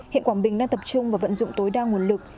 hiện quảng bình đang tập trung và vận dụng tối đa nguồn lực